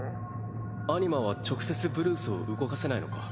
アニマは直接ブルースを動かせないのか？